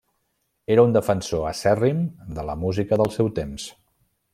Era un defensor acèrrim de la música del seu temps.